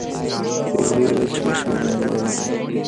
درې ورځې وشوې ناجوړه دی